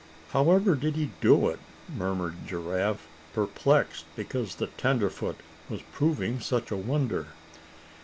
"However did he do it?" murmured Giraffe, perplexed because the tenderfoot was proving such a wonder.